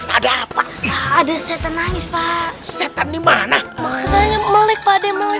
ada apa ada setan nangis pak setan dimana